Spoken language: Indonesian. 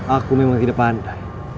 aku memang tidak pandai